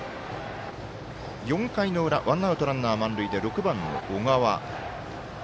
４回の裏ワンアウト、ランナー満塁で６番の小川。